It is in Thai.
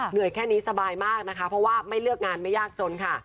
แค่นี้สบายมากนะคะเพราะว่าไม่เลือกงานไม่ยากจนค่ะ